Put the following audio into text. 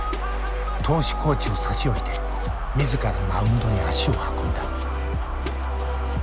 投手コーチを差し置いて自らマウンドに足を運んだ。